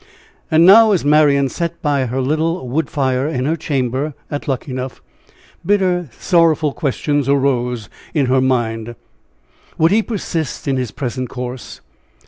And now, as Marian sat by her little wood fire in her chamber at Luckenough, bitter, sorrowful questions, arose in her mind. Would he persist in his present course?